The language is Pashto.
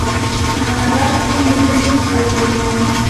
خان اباد سیند وریجې خړوبوي؟